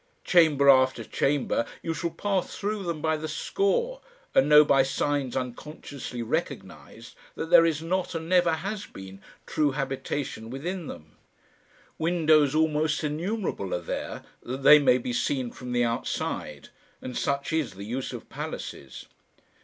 Chamber after chamber, you shall pass through them by the score, and know by signs unconsciously recognised that there is not, and never has been, true habitation within them. Windows almost innumerable are there, that they may be seen from the outside and such is the use of palaces.